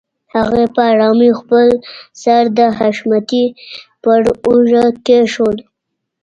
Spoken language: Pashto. هغې په آرامۍ خپل سر د حشمتي پر اوږه کېښوده.